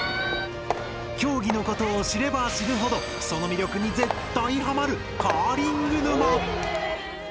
競技のことを知れば知るほどその魅力に絶対ハマる「カーリング沼」！